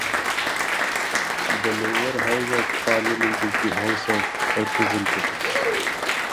The lower house of parliament is the House of Representatives.